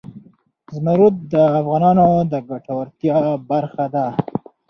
زمرد د افغانانو د ګټورتیا برخه ده.